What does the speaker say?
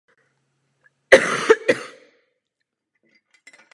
Milostná píseň navazuje na povídku "Lída".